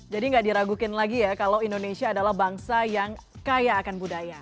jadi gak diragukan lagi ya kalau indonesia adalah bangsa yang kaya akan budaya